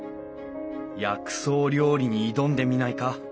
薬草料理に挑んでみないか。